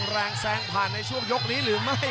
แรงแซงผ่านในช่วงยกนี้หรือไม่